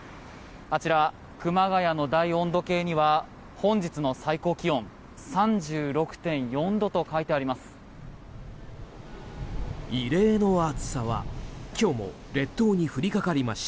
あちら、熊谷の大温度計には本日の最高気温３６．４度と書いてあります。